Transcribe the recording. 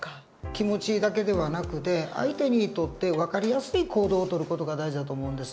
気持ちだけではなくて相手にとって分かりやすい行動を取る事が大事だと思うんです。